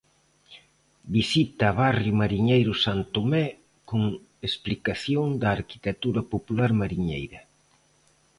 Visita barrio mariñeiro San Tomé con explicación da arquitectura popular mariñeira.